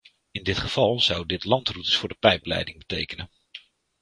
In dit geval zou dit landroutes voor de pijpleiding betekenen.